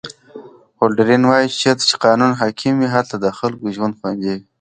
هولډرلین وایي چې چیرته چې قانون حاکم وي هلته د خلکو ژوند خوندي وي.